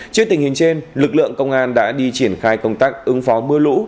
trước tình hình trên lực lượng công an đã đi triển khai công tác ứng phó mưa lũ